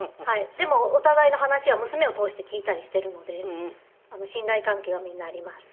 でもお互いの話は娘を通して聞いたりしているので信頼関係はみんなあります。